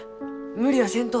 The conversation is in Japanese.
無理はせんと。